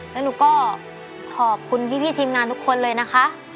แล้วหนูก็ขอบคุณพี่ทีมงานทุกคนเลยนะคะ